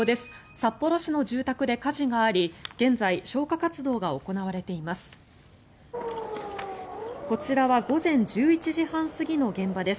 札幌市の住宅で火事があり現在、消火活動が行われています。